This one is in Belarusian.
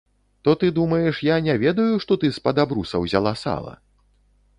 То ты думаеш, я не ведаю, што ты з-пад абруса ўзяла сала?